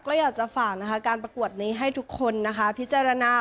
ก็อยากจะฝากนะคะการประกวดนี้ให้ทุกคนนะคะพิจารณา